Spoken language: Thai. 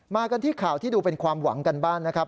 กันที่ข่าวที่ดูเป็นความหวังกันบ้างนะครับ